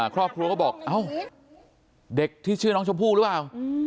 ครอบครัวก็บอกเอ้าเด็กที่ชื่อน้องชมพู่หรือเปล่า